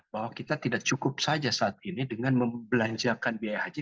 bahwa kita tidak cukup saja saat ini dengan membelanjakan biaya haji